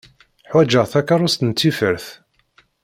Ḥwaǧeɣ takeṛust n tifert.